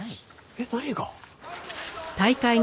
えっ？何が？